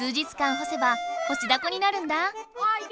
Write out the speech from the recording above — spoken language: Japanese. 干せば干しダコになるんだ。